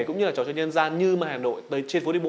cũng như là trò chơi nhân gian như mà hà nội trên phố đi bộ